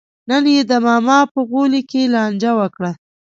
نن یې د ماما په غولي کې لانجه وکړه.